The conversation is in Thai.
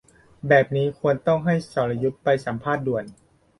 แบบนี้ควรต้องให้สรยุทธไปสัมภาษณ์ด่วน